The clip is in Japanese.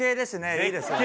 いいですね。